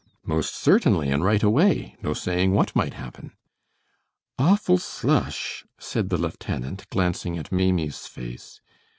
"Most certainly, and right away. No saying what might happen." "Awful slush," said the lieutenant, glancing at Maimie's face.